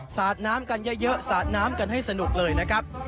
สาดน้ำกันเยอะสาดน้ำกันให้สนุกเลยนะครับ